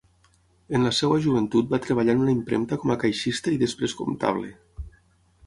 En la seva joventut va treballar en una impremta com a caixista i després comptable.